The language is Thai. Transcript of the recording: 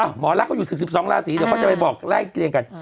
หมอลักษณ์ก็อยู่๑๒ราศีเดี๋ยวพ่อจะไปบอกรายการกัน